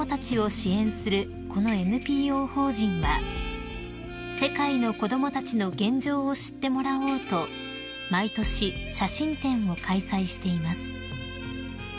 このＮＰＯ法人は世界の子供たちの現状を知ってもらおうと毎年写真展を開催しています］